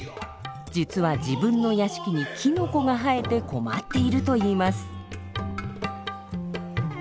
実は自分の屋敷にキノコが生えて困っているといいます。